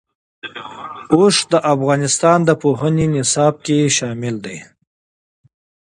اوښ د افغانستان د پوهنې نصاب کې شامل دي.